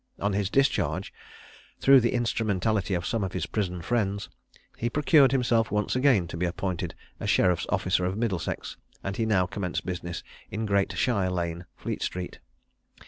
On his discharge, through the instrumentality of some of his prison friends, he procured himself once again to be appointed a sheriff's officer of Middlesex, and he now commenced business in Great Shire Lane, Fleet street.